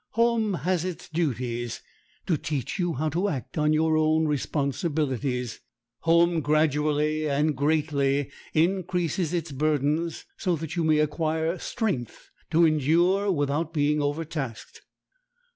Home has its duties, to teach you how to act on your own responsibilities. Home gradually and greatly increases its burdens, so that you may acquire strength to endure without being overtasked.